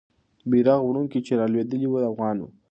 بیرغ وړونکی چې رالوېدلی وو، افغان وو.